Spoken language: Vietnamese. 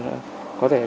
có thể là tự đăng ký